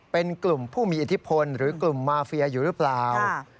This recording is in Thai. เป็นกลุ่มผู้มีอิทธิพลหรือกลุ่มมาเฟียอยู่หรือเปล่า